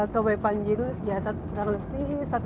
ke wp jiru ya lebih satu jam setengah ya kayaknya